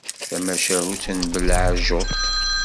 Tamacahut n belɛejjuṭ.